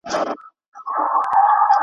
ما جوړ کړی دی دربار نوم مي امیر دی!